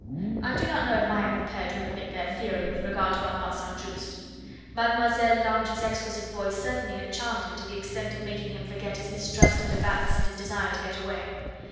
I do not know if I am prepared to admit their theory with regard to Armand St. Just. Mlle. Lange's exquisite voice certainly had charmed him to the extent of making him forget his mistrust of de Batz and his desire to get away.